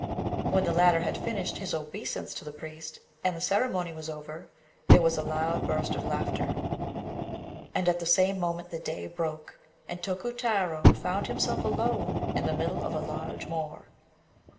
When the latter had finished his obeisance to the priest, and the ceremony was over, there was a loud burst of laughter; and at the same moment the day broke, and Tokutarô found himself alone, in the middle of a large moor.